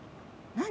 何？